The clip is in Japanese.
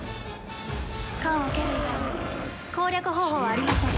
缶を蹴る以外に攻略方法はありません。